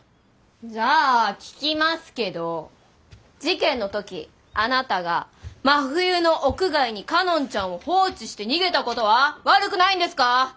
じゃあ聞きますけど事件の時あなたが真冬の屋外に佳音ちゃんを放置して逃げたことは悪くないんですか？